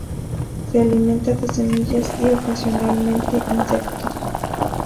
Se alimenta de semillas y ocasionalmente insectos.